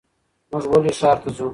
مونږ ولې ښار ته ځو؟